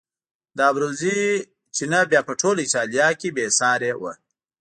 د ابروزي چینه بیا په ټوله ایټالیا کې بې سارې وه.